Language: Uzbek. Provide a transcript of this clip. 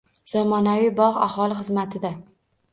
Zamonaviy bog‘ aholi xizmatida